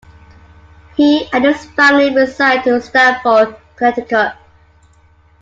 He and his family reside in Stamford, Connecticut.